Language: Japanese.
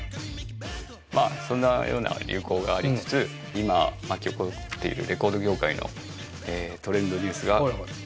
まあそんなような流行がありつつ今巻き起こっているレコード業界のトレンドニュースがこちらです。